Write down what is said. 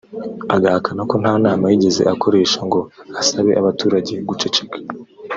agahakana ko nta nama yigeze akoresha ngo asabe abaturage guceceka